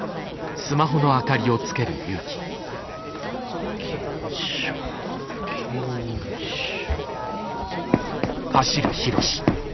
保険証保険証。